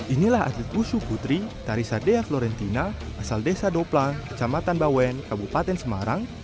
inilah atlet wushu putri tarisa dea florentina asal desa doplang kecamatan bawen kabupaten semarang